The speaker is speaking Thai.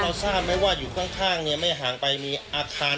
แล้วเรารู้รู้รู้ไหมว่าอยู่ข้างเนี่ยไม่ห่างไปมีอาคาร